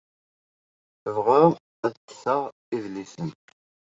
Tebɣa ad d-tseɣ idlisen.